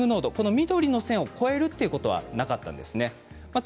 緑の線を越えるということはなかったんです。